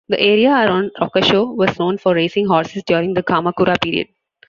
The area around Rokkasho was known for raising horses during the Kamakura period.